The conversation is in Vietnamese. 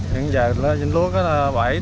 hiện giờ nó dính lúa